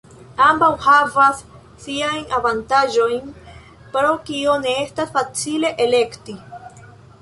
Ambaŭ havas siajn avantaĝojn, pro kio ne estas facile elekti.